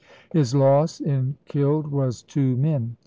His loss in killed was two men.